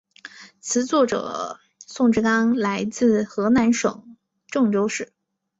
词作者宋志刚来自河南省郑州市。